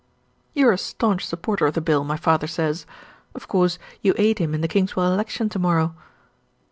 "You are a staunch supporter of the Bill, my father says. Of course, you aid him in the Kingswell election to morrow?"